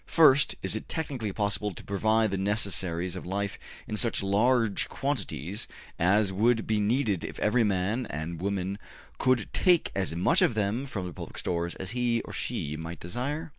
First, is it technically possible to provide the necessaries of life in such large quantities as would be needed if every man and woman could take as much of them from the public stores as he or she might desire?